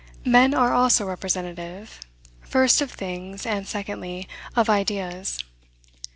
Men are also representative; first, of things, and secondly, of ideas.